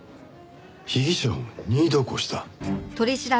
被疑者を任意同行した？